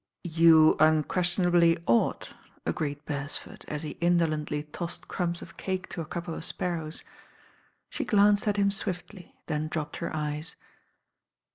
"You iir luestionably ought," agreed Beresford, as he indolently tossed crumbs of cake to a couple of sparrows. She glanced at him swiftly, then dropped her eyes.